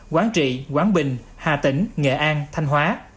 quảng trị quảng bình hà tĩnh nghệ an thanh hóa